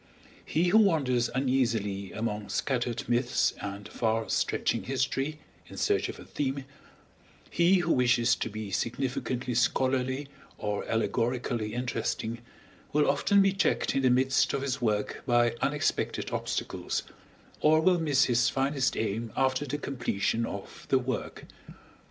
He who wanders uneasily among scattered myths and far stretching history in search of a theme, he who wishes to be significantly scholarly or allegorically interesting, will often be checked in the midst of his work by unexpected obstacles, or will miss his finest aim after the completion of the work.